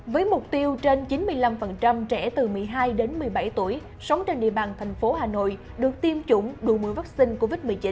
với mục tiêu trên chín mươi năm trẻ từ một mươi hai đến một mươi bảy tuổi sống trên địa bàn thành phố hà nội được tiêm chủng đủ mũi vaccine covid một mươi chín